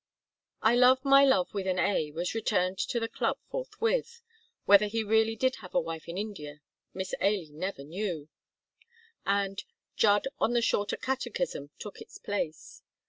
"I Love My Love with an A" was returned to the club forthwith (whether he really did have a wife in India Miss Ailie never knew) and "Judd on the Shorter Catechism" took its place.